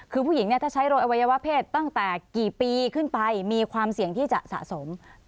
คือผู้หญิงเนี่ยถ้าใช้โรยอวัยวะเพศตั้งแต่กี่ปีขึ้นไปมีความเสี่ยงที่จะสะสม